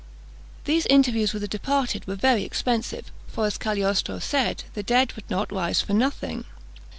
These interviews with the departed were very expensive; for, as Cagliostro said, the dead would not rise for nothing.